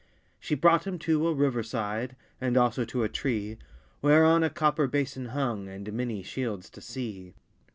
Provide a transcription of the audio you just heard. She brought him to a river side, And also to a tree, Whereon a copper bason hung, And many shields to see.